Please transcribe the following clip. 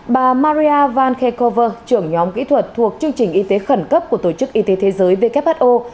bà maria van khekover trưởng nhóm kỹ thuật thuộc chương trình y tế khẩn cấp của tổ chức y tế thế giới who